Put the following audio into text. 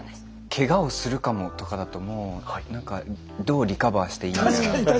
「ケガをするかも」とかだともうどうリカバーしていいのやら。